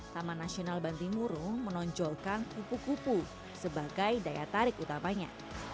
taman nasional bantimurung menonjolkan kupu kupu sebagai daya tarik utamanya